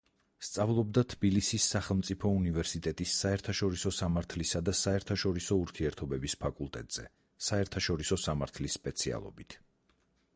სწავლობდა თბილისის სახელმწიფო უნივერსიტეტის საერთაშორისო სამართლისა და საერთაშორისო ურთიერთობების ფაკულტეტზე საერთაშორისო სამართლის სპეციალობით.